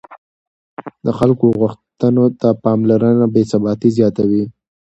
د خلکو غوښتنو ته نه پاملرنه بې ثباتي زیاتوي